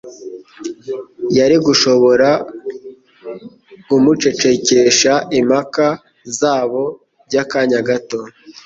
yari gushobora gmcecekesha impaka zabo by'akanya gato;